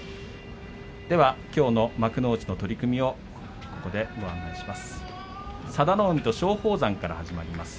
きょうの幕内の取組をここでご案内します。